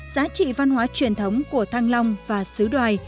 giá trị văn hóa truyền thống của thăng long và xứ đoài